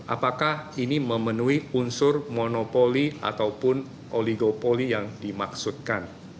apakah ini memenuhi unsur monopoli ataupun oligopoli yang dimaksudkan